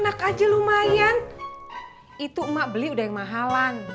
enak aja lumayan itu emak beli dan mahal an